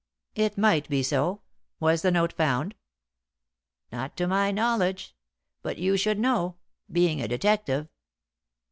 "It might be so. Was the note found?" "Not to my knowledge. But you should know, being a detective."